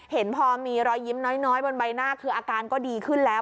เห็นพอมีรอยยิ้มน้อยบนใบหน้าคืออาการก็ดีขึ้นแล้ว